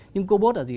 nhưng cô bốt là gì